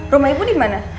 rumah ibu dimana